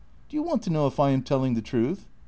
Do you want to know if I am telling the truth ?